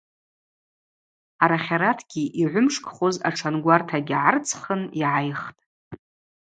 Арахьаратгьи йгӏвымшкӏхуз атшангвартагьи гӏарцхын йгӏайхтӏ.